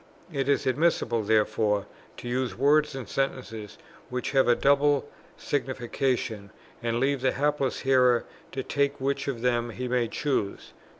... It is admissible, therefore, to use words and sentences which have a double signification, and leave the hapless hearer to take which of them he may choose.